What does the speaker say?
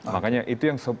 makanya itu yang sepupu